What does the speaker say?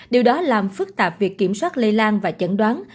điều đó làm phức tạp việc kiểm soát lây lan và chẩn đoán